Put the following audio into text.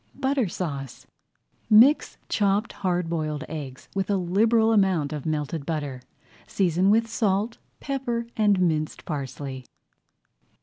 BUTTER SAUCE Mix chopped hard boiled eggs with a liberal amount of melted butter. Season with salt, pepper, and minced parsley.